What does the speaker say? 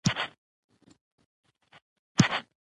د افغانستان په منظره کې قومونه ښکاره ده.